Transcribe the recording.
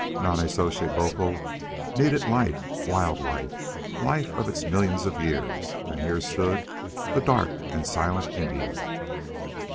Nonnezoshe Boco needed life, wild life, life of its millions of years and here stood the dark and silent Indian.